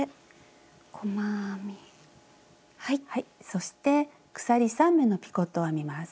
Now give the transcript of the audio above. そして鎖３目のピコットを編みます。